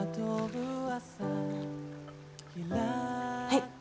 はい。